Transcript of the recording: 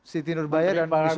siti nurbaya dan wisata